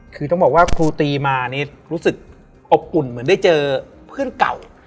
คือต้องบอกว่าครูตีมานี่รู้สึกอบอุ่นเหมือนได้เจอเพื่อนเก่า